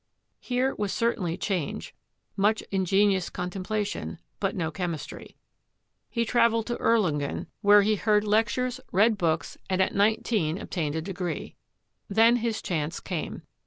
Here was certainly change, much "ingenious contemplation," but no chemis try. He traveled to Erlangen, where he heard lectures, 226 CHEMISTRY read books, and at nineteen obtained a degree. Then his chance came.